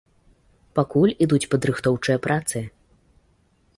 Пакуль ідуць падрыхтоўчыя працы.